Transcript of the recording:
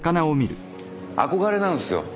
憧れなんすよ。